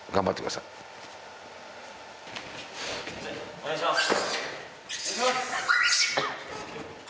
お願いします。